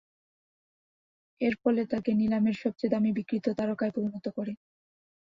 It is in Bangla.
এরফলে তাকে নিলামের সবচেয়ে দামী বিক্রিত তারকায় পরিণত করে।